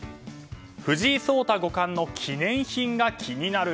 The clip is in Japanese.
藤井聡太五冠の記念品が気になる。